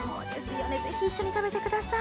ぜひ一緒に食べてください。